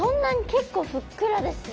結構ふっくらですね。